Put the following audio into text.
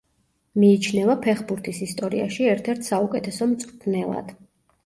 მიიჩნევა ფეხბურთის ისტორიაში ერთ-ერთ საუკეთესო მწვრთნელად.